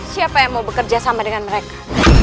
siapa yang mau bekerja sama dengan mereka